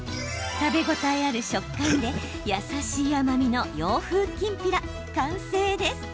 食べ応えある食感で優しい甘みの洋風きんぴら完成です。